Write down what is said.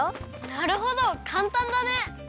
なるほどかんたんだね！